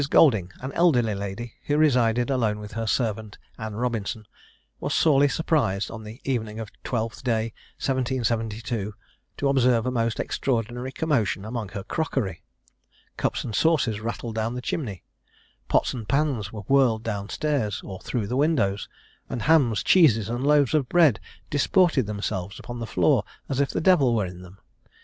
Golding, an elderly lady, who resided alone with her servant, Anne Robinson, was sorely surprised on the evening of Twelfth day, 1772, to observe a most extraordinary commotion among her crockery. Cups and saucers rattled down the chimney pots and pans were whirled down stairs, or through the windows; and hams, cheeses, and loaves of bread disported themselves upon the floor as if the devil were in them.